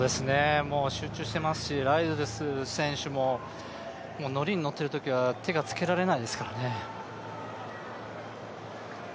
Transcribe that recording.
集中していますし、ライルズ選手も乗りに乗っているときは手がつけられないですからね。